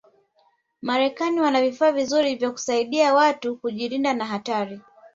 marekani wana vifaa vizuri vya kusaidi watu kujirinda na hatari